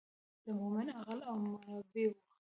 د مومن عقل او مربي و.